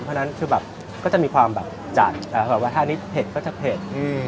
เพราะฉะนั้นคือแบบก็จะมีความแบบจัดแบบว่าถ้านิดเผ็ดก็จะเผ็ด